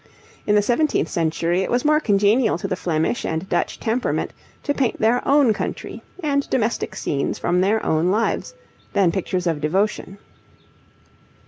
In the seventeenth century it was more congenial to the Flemish and Dutch temperament to paint their own country, and domestic scenes from their own lives, than pictures of devotion.